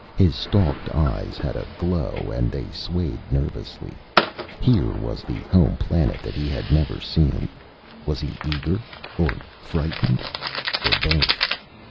His stalked eyes had a glow and they swayed nervously. Here was the home planet that he had never seen. Was he eager or frightened, or both?